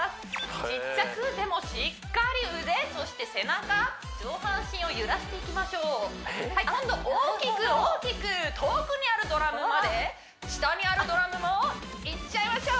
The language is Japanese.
ちっちゃくでもしっかり腕そして背中上半身を揺らしていきましょうはい今度大きく大きく遠くにあるドラムまで下にあるドラムもいっちゃいましょう